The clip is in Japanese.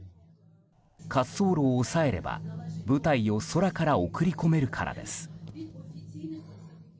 滑走路を抑えれば部隊を空から送り込めるからです。